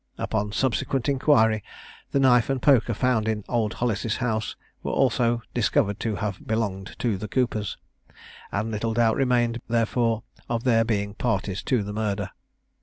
Upon subsequent inquiry, the knife and poker found in old Hollis' house were also discovered to have belonged to the Coopers, and little doubt remained therefore of their being parties to the murder.